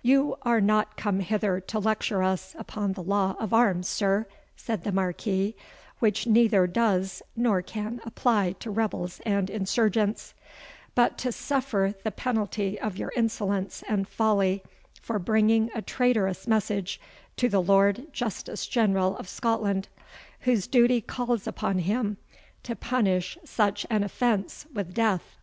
"You are not come hither to lecture us upon the law of arms, sir," said the Marquis, "which neither does nor can apply to rebels and insurgents; but to suffer the penalty of your insolence and folly for bringing a traitorous message to the Lord Justice General of Scotland, whose duty calls upon him to punish such an offence with death."